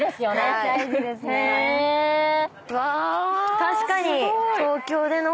確かに。